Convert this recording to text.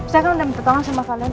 saya kan udah minta tolong sama kalian